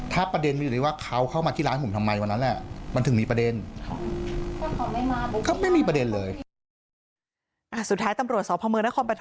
ถ้าประเด็นมันอยู่ที่ว่าเขาเข้ามาที่ร้านผมทำไมวันนั้นแหละมันถึงมีประเด็น